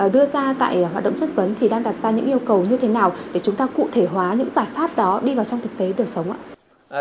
đưa ra tại hoạt động chất vấn thì đang đặt ra những yêu cầu như thế nào để chúng ta cụ thể hóa những giải pháp đó đi vào trong thực tế đời sống ạ